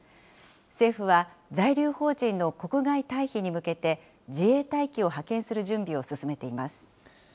政府は、在留邦人の国外退避に向けて、自衛隊機を派遣する準備を進めています。